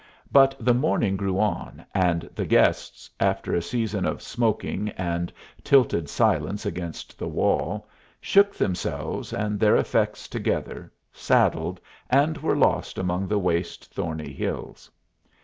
But the morning grew on, and the guests, after a season of smoking and tilted silence against the wall, shook themselves and their effects together, saddled, and were lost among the waste thorny hills.